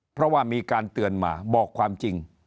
เพราะว่ามีการเตือนมาบอกความจริง